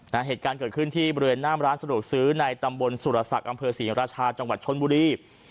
เหตุการณ์เกิดขึ้นที่บริเวณหน้ามร้านสะดวกซื้อในตำบลสุรศักดิ์อำเภอศรีราชาจังหวัดชนบุรี